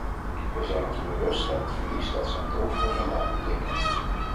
Wij zijn ons bewust van het verlies dat zijn dood voor zijn land betekent.